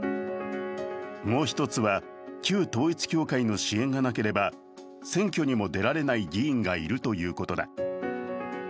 もう一つは、旧統一教会の支援がなければ選挙にも出られない議員がいるということだ。